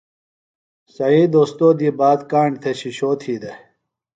سعید اوستوذی بات کاݨ تھےۡ شِشو تھی دےۡ۔